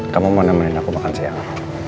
kamu mau nemenin aku makan siang